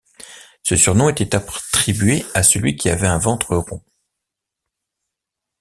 Ce surnom était attribué à celui qui avait un ventre rond.